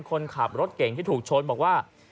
คนขับรถเก่งที่ถูกชนบอกว่า